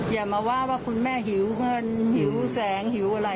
อย่ามาว่าว่าคุณแม่หิวเงินหิวแสงหิวอะไร